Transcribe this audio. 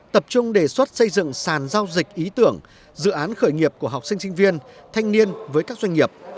tập trung đề xuất xây dựng sàn giao dịch ý tưởng dự án khởi nghiệp của học sinh sinh viên thanh niên với các doanh nghiệp